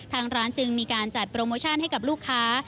ทางร้านจึงมีการจัดโปรโมชั่นให้กับลูกค้า